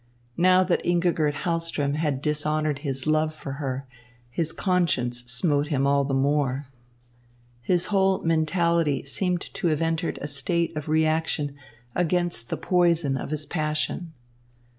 Now that Ingigerd Hahlström had dishonoured his love for her, his conscience smote him all the more. His whole mentality seemed to have entered a state of reaction against the poison of his passion.